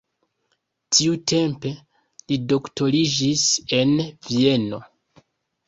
Tiutempe li doktoriĝis en Vieno.